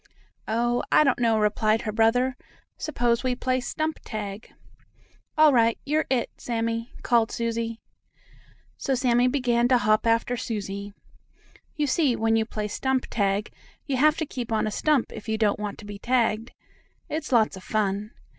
"Oh, I don't know," replied her brother. "S'pose we play stump tag?" "All right; you're 'it,' Sammie," called Susie. So Sammie began to hop after Susie. You see, when you play stump tag you have to keep on a stump if you don't want to be tagged. It's lots of fun.